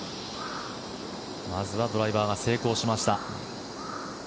まずはドライバーが成功しました。